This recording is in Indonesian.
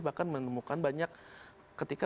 bahkan menemukan banyak ketika